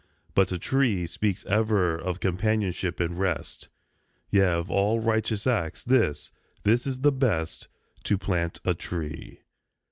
But a tree Speaks ever of companionship and rest. Yea, of all righteous acts, this, this is best, To plant a tree.